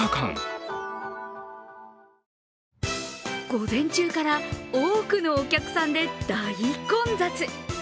午前中から多くのお客さんで大混雑。